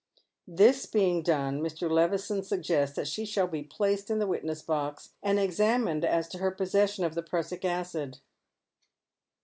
This being dune, Mr. Levison suggests that she shall be placed in the witness box, and examined as to her possession of th^ prussic acid.